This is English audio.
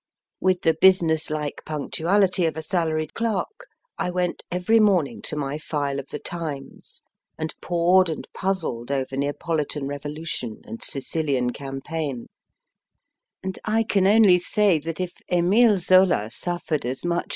With the business like punctuality of a salaried clerk, I MISS BRADDON S FAVOURITE MARE 120 MY FIXST BOOK .went every morning to my file of the Times, and pored and puzzled over Neapolitan revolution and Sicilian campaign, and I can only say that if Emile Zola has suffered as much